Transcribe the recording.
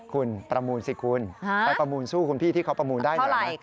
คุณประมูลสิไปประมูลสู้คุณพี่ที่เขาประมูลได้